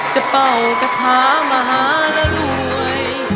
จะเป้ากระทะมหาร่วย